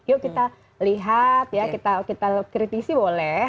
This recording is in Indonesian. yuk kita lihat ya kita kritisi boleh